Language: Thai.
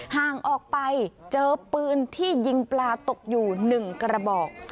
ห่างออกไปเจอปืนที่ยิงปลาตกอยู่๑กระบอก